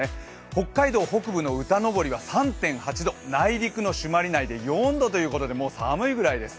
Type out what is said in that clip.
北海道北部の歌登は３．８度、３．８度、内陸の朱鞠内で４度ということで寒いぐらいです。